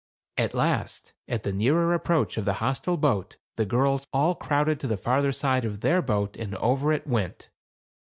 At last, at the nearer approach of the hostile boat, the girls all crowded to the farther side of their boat, and over it went.